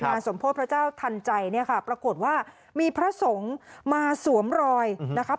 สมโพธิพระเจ้าทันใจเนี่ยค่ะปรากฏว่ามีพระสงฆ์มาสวมรอยนะครับ